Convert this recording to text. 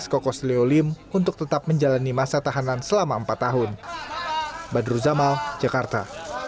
sebesar rp empat ratus tujuh puluh tujuh miliar lebih yang sebelumnya telah disetorkan kekas negara melalui jaksa negara